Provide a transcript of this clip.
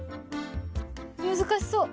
難しそう。